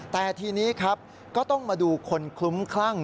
แต่ทีนี้ครับก็ต้องมาดูคนคลุ้มคลั่ง